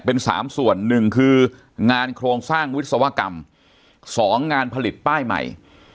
เป็น๓ส่วนหนึ่งคืองานโครงสร้างวิศวกรรม๒งานผลิตป้ายใหม่